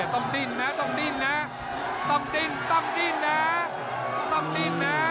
ต้องดิ้นนะต้องดิ้นนะต้องดิ้นต้องดิ้นนะต้องดิ้นนะ